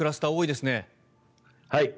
はい。